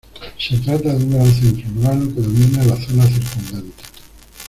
Se trata de un gran centro urbano que domina la zona circundante.